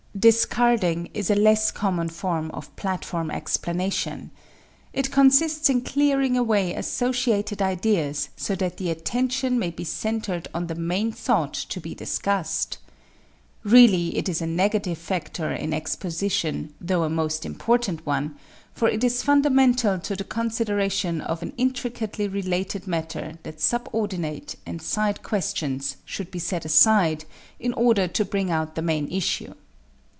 =Discarding= is a less common form of platform explanation. It consists in clearing away associated ideas so that the attention may be centered on the main thought to be discussed. Really, it is a negative factor in exposition though a most important one, for it is fundamental to the consideration of an intricately related matter that subordinate and side questions should be set aside in order to bring out the main issue.